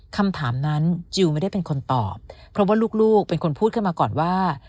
คำถามนั้นจิลไม่ได้เป็นคนตอบเพราะว่าลูกเป็นคนพูดขึ้นมาก่อนว่า